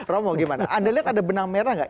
romo gimana anda lihat ada benang merah nggak